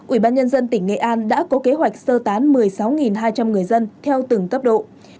ủy ban nhân dân tỉnh nghệ an đã có kế hoạch sơ tán một mươi sáu hai trăm linh người dân theo từng cấp độ